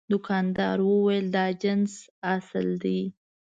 دوکاندار وویل دا جنس اصل دی.